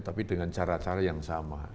tapi dengan cara cara yang sama